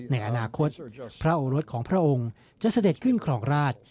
ในอนาคตพระโอรสของพระองค์จะเสด็จขึ้นครองราช